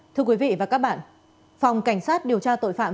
thưa quý vị và các bạn phòng cảnh sát điều tra tội phạm